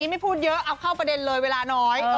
ไม่พูดเยอะเอาเข้าประเด็นเลยเวลาน้อย